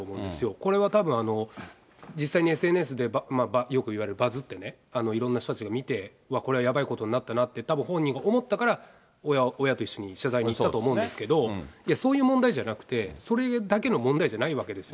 これはたぶん、実際にＳＮＳで、よく言われるバズってね、いろんな人たちが見て、これはやばいことになったなって、たぶん、本人が思ったから、親と一緒に謝罪に行ったと思うんですけど、いや、そういう問題じゃなくて、それだけの問題じゃないわけですよ。